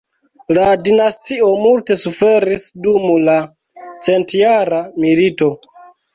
La dinastio multe suferis dum la centjara milito.